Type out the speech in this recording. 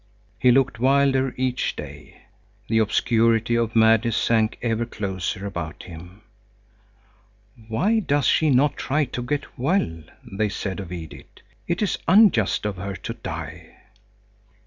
He looked wilder each day. The obscurity of madness sank ever closer about him. "Why does she not try to get well?" they said of Edith. "It is unjust of her to die."